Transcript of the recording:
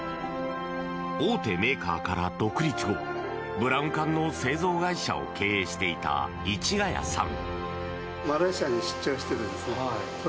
大手メーカーから独立後ブラウン管の製造会社を経営していた市ヶ谷さん。